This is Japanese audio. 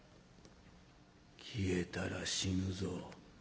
「消えたら死ぬぞ。